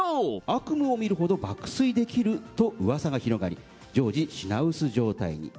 悪夢を見るほど爆睡できるとのうわさが広がり、常時品薄状態に。